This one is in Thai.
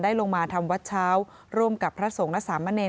ลงมาทำวัดเช้าร่วมกับพระสงฆ์และสามเณร